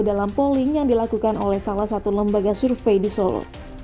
dalam polling yang dilakukan oleh salah satu lembaga survei di solo